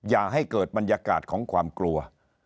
อย่าให้เกิดบรรยากาศของความกลัว